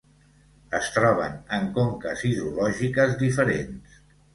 Es troben en conques hidrològiques diferents.